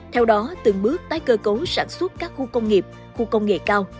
theo đó từng bước tái cơ cấu sản xuất các khu công nghiệp khu công nghệ cao